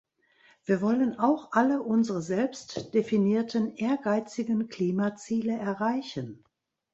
Wir wollen auch alle unsere selbst definierten ehrgeizigen Klimaziele erreichen.